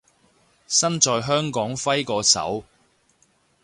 身在香港揮個手